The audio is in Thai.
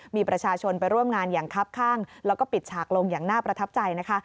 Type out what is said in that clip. มีประชาชนไปร่วมงานอย่างครับข้างแล้วก็ปิดฉากลงอย่างน่าประทับใจนะคะ